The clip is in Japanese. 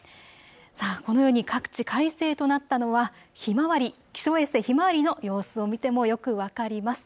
このように各地、快晴となったのは気象衛星ひまわりの様子を見てもよく分かります。